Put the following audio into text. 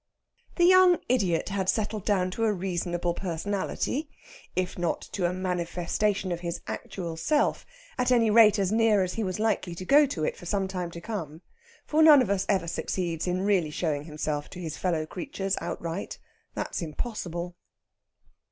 The young idiot had settled down to a reasonable personality; if not to a manifestation of his actual self, at any rate as near as he was likely to go to it for some time to come; for none of us ever succeeds in really showing himself to his fellow creatures outright. That's impossible.